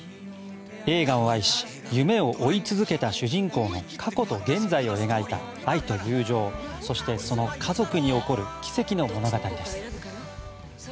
映画を愛し、夢を追い続けた主人公の過去と現在を描いた愛と友情、そしてその家族に起こる奇跡の物語。